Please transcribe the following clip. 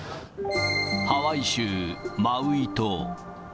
ハワイ州マウイ島。